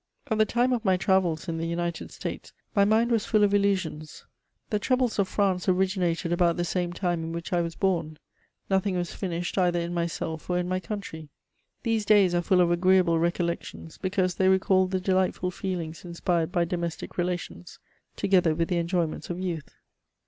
At the time of my travels in the United States, my mind was full of illusions ; tne troubles of France originated about the same time in which I was born ; nothing was finished either in myself or in my country. These days are full of agreeable re collections, because they recal the delightful feelings inspired by domestic relations, together with the enjoyments of youth.